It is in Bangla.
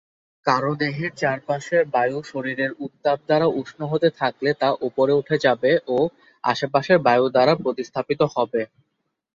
কারও দেহের চারপাশের বায়ু শরীরের উত্তাপ দ্বারা উষ্ণ হতে থাকলে তা ওপরে উঠে যাবে ও আশেপাশের বায়ু দ্বারা প্রতিস্থাপিত হবে।